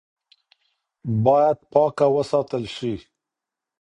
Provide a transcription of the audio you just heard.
باید پاکه وساتل شي.